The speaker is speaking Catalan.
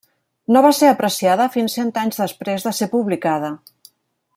No va ser apreciada fins cent anys després de ser publicada.